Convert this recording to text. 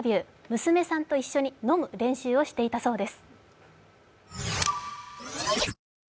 娘さんと一緒に飲む練習をしていたそうです。